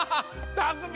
たくみ！